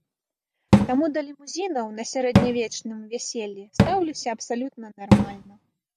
Таму да лімузінаў на сярэднявечным вяселлі стаўлюся абсалютна нармальна.